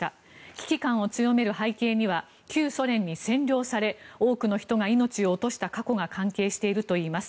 危機感を強める背景には旧ソ連に占領され多くの人が命を落とした過去が関係しているといいます。